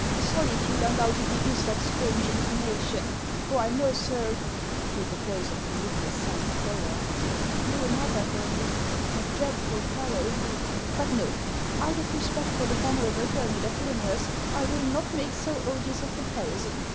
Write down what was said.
Solitude undoubtedly gives that strange intonation; for I know, sir," — here the voice of Benignus sank lower, — "I know another hermit, that dreadful fellow who — But no ; out of respect for the venerable hermit of Lynrass I will not make so odious a comparison.